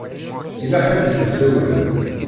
Yella ḥedd i d-isawalen.